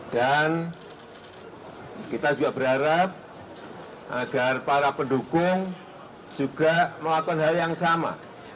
dan kita juga berharap agar para pendukung juga melakukan hal yang sama